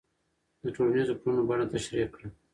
د ټولنیزو کړنو بڼه تشریح کړه.